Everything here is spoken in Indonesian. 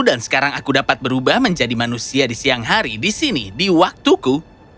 dan sekarang aku dapat berubah menjadi manusia di siang hari di sini di waktuku